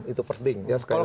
itu penting ya sekali